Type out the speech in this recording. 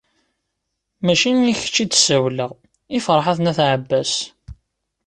Mačči i kečč i d-ssawleɣ, i Ferḥat n At Ɛebbas.